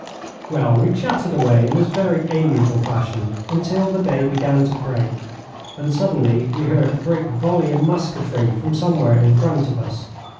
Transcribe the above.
Well, we chatted away in this very amiable fashion until the day began to break, when suddenly we heard a great volley of musketry from somewhere in front of us.